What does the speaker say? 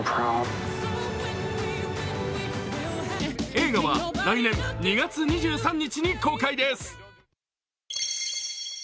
映画は来年２月２３日に公開です。